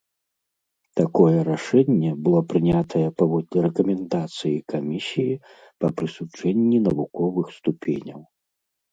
Такое рашэнне было прынятае паводле рэкамендацыі камісіі па прысуджэнні навуковых ступеняў.